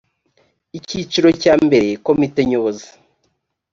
icyiciro cya mbere komite nyobozi